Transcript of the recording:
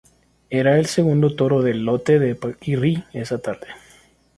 Era el segundo toro del lote de Paquirri esa tarde.